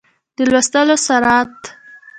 د لوستلو سرعت